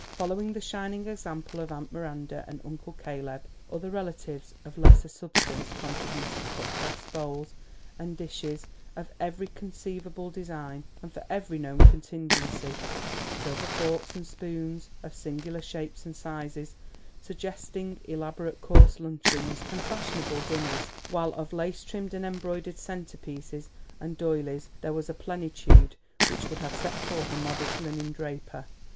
Following the shining example of Aunt Miranda and Uncle Caleb, other relatives of lesser substance contributed cut glass bowls and dishes of every conceivable design and for every known contingency; silver forks and spoons of singular shapes and sizes, suggesting elaborate course luncheons and fashionable dinners. While of lace trimmed and embroidered centre pieces and doylies there was a plenitude which would have set forth a modest linen draper.